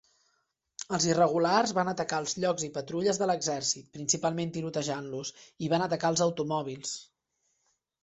Els Irregulars van atacar els llocs i patrulles de l'Exèrcit, principalment tirotejant-los, i van atacar els automòbils.